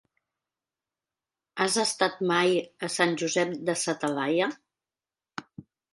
Has estat mai a Sant Josep de sa Talaia?